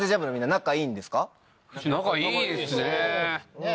仲いいですね。ねぇ。